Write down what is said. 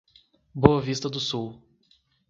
Boa Vista do Sul